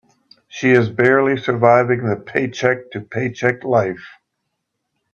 She is barely surviving the paycheck to paycheck life.